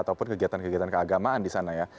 ataupun kegiatan kegiatan keagamaan di sana ya